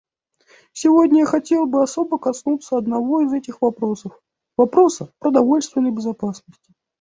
Сегодня я хотел бы особо коснуться одного из этих вопросов, — вопроса продовольственной безопасности.